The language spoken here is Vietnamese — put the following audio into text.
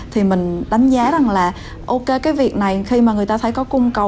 thì mình đánh giá rằng là ok cái việc này khi mà người ta thấy có cung cầu